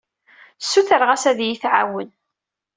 Ssutreɣ-as ad iyi-tɛawen.